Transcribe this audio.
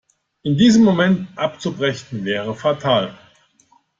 In diesem Moment abzubrechen, wäre fatal.